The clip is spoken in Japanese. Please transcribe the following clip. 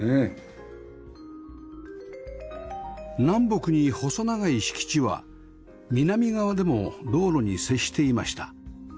南北に細長い敷地は南側でも道路に接していました